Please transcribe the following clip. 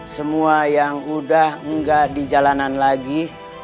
semua yang udah nggak dijalanan lagi